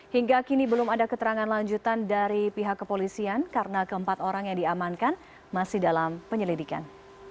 hingga kini belum ada keterangan lanjutan dari pihak kepolisian karena keempat orang yang diamankan masih dalam penyelidikan